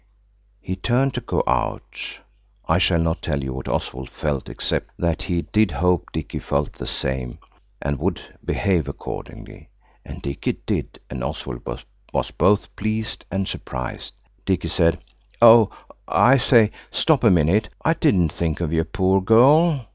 He turned to go out. I shall not tell you what Oswald felt except that he did hope Dicky felt the same, and would behave accordingly. And Dicky did, and Oswald was both pleased and surprised. Dicky said– "Oh, I say, stop a minute. I didn't think of your poor girl."